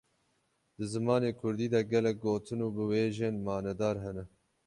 Di zimanê kurdî de gelek gotin û biwêjên manedar hene.